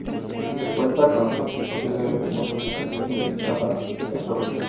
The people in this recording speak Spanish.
Cuenta con la participación de múltiples artistas invitados a ese recital.